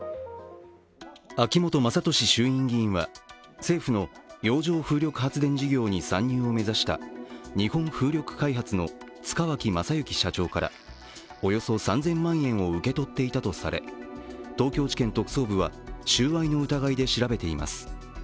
秋本真利衆院議員は政府の洋上風力発電事業に参入を目指した日本風力開発の塚脇正幸社長からおよそ３０００万円を受け取っていたとされ、東京地検特捜部は収賄の疑いで調べています。